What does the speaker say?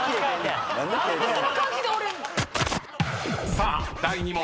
［さあ第２問。